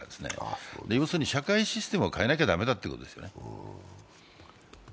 要するに社会システムを変えなきゃいけないということです。